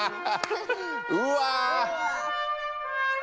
うわ！